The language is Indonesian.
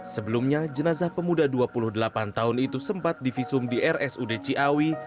sebelumnya jenazah pemuda dua puluh delapan tahun itu sempat divisum di rsud ciawi